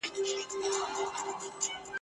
خو په زړه کي پټ له ځان سره ژړېږم !.